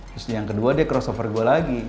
terus yang kedua dia crossover gue lagi